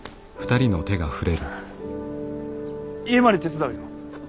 家まで手伝うよ。